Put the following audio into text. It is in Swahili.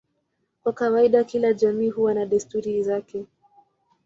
Kwa kawaida kila jamii huwa na desturi zake.